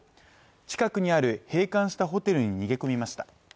近くにある閉館したホテルに逃げ込みました。